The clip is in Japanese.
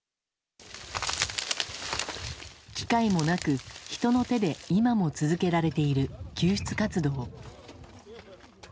機械もなく、人の手で今も続けられている救出活動。